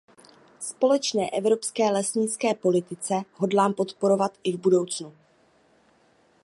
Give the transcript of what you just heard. Společné evropské lesnické politice hodlám odporovat i v budoucnu.